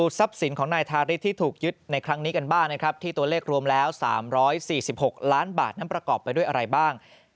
ทรัพย์สินของนายทาริสที่ถูกยึดในครั้งนี้กันบ้างนะครับที่ตัวเลขรวมแล้ว๓๔๖ล้านบาทนั้นประกอบไปด้วยอะไรบ้าง